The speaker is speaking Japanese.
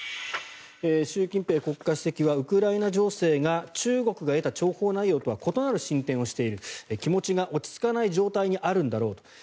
習近平国家主席はウクライナ情勢が中国が得た諜報内容とは異なる進展をしている気持ちが落ち着かない状態にあるんだろうと。